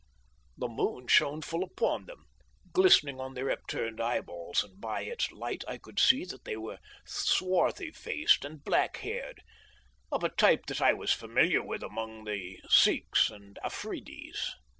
"The moon shone full upon them, glistening on their upturned eyeballs, and by its light I could see that they were swarthy faced and black haired, of a type that I was familiar with among the Sikhs and Afridis.